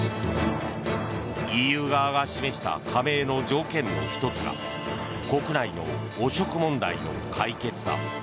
ＥＵ側が示した加盟の条件の１つが国内の汚職問題の解決だ。